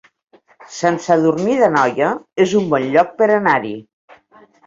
Sant Sadurní d'Anoia es un bon lloc per anar-hi